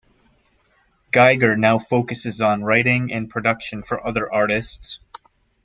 Geiger now focuses on writing and production for other artists.